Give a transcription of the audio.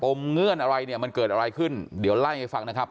เงื่อนอะไรเนี่ยมันเกิดอะไรขึ้นเดี๋ยวไล่ให้ฟังนะครับ